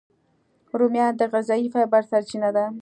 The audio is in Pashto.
رومیان د غذایي فایبر سرچینه ده